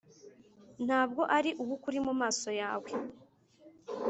ntabwo ari uwukuri mumaso yawe